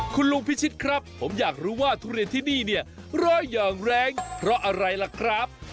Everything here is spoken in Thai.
คุณลุงพิชิตครับผมอยากรู้ว่าทุเรียนที่นี่เนี่ยร้อยอย่างแรงเพราะอะไรล่ะครับ